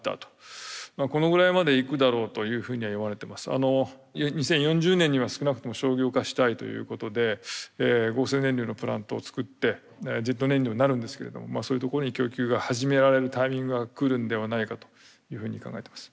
あの２０４０年には少なくとも商業化したいということで合成燃料のプラントを作ってジェット燃料になるんですけれどもまあそういうところに供給が始められるタイミングが来るんではないかというふうに考えてます。